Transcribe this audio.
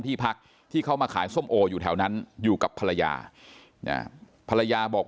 ที่พักที่เขามาขายส้มโออยู่แถวนั้นอยู่กับภรรยาภรรยาบอก